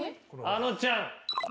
あのちゃん勝負。